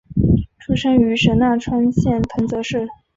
出身于神奈川县藤泽市。